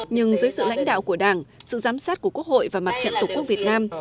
nhưng dưới sự lãnh đạo của đảng sự giám sát của quốc hội và mặt trận tổ quốc việt nam